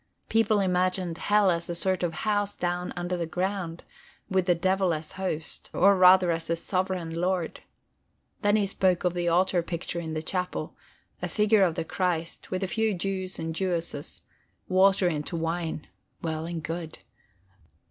People imagined hell as a sort of house down under the ground, with the devil as host or rather as sovereign lord. Then he spoke of the altar picture in the chapel, a figure of the Christ, with a few Jews and Jewesses; water into wine well and good.